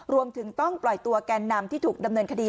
รวมถึงต้องปล่อยตัวแกนนำที่ถูกดำเนินคดี